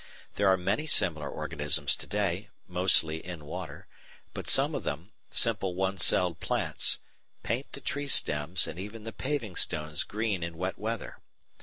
There are many similar organisms to day, mostly in water, but some of them simple one celled plants paint the tree stems and even the paving stones green in wet weather.